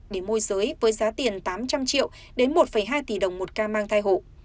để môi giới với giá tiền tám trăm linh triệu đến một hai tỷ đồng một ca mang thai hộ